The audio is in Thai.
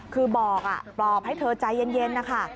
คือบอกปลอบให้เธอใจเย็นนะคะ